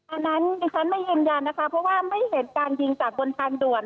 อันนั้นดิฉันไม่ยืนยันนะคะเพราะว่าไม่เห็นการยิงจากบนทางด่วน